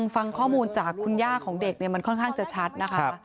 ฟังข้อมูลจากคุณย่าของเด็กมันค่อนข้างจะชัดนะคะ